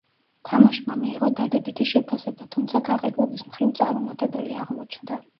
თამაშმა მიიღო დადებითი შეფასება, თუმცა გაყიდვების მხრივ წარუმატებელი აღმოჩნდა.